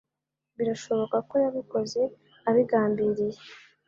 Birashoboka ko yabikoze abigambiriye.